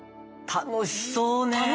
楽しそうね。